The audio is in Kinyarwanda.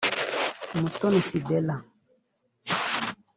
Umutoni Fidela